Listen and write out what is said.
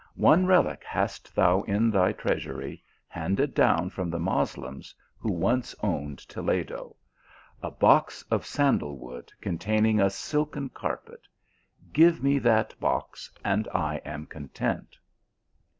One relique hast thou in thy treasury, handed down from the Moslems who once owned Toledo. A box of sandal wood contain ing a silken carpet. Give me that box, and I am content."